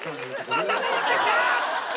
また戻ってきた！